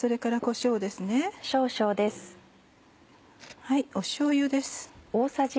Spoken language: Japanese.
しょうゆです。